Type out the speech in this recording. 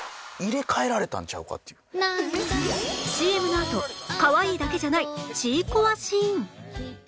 ＣＭ のあとかわいいだけじゃないちいこわシーン